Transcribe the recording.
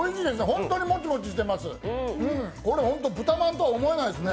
本当にもちもちしてます。